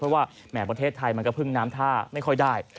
เพราะว่าแหมประเทศไทยมันก็พึ่งน้ำท่าไม่ค่อยได้